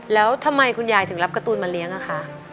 แล้วทำไมคุณยายถึงรับการ์ตูนมาเลี้ยงอะคะ